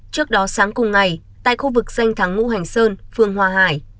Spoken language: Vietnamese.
trước đó sáng cùng ngày tại khu vực danh thắng ngũ hành sơn phương hòa hải